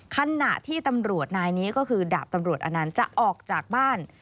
ขณะที่ตำรวจนายนี้ก็คือดาบตำรวจอนันต์จะออกจากบ้าน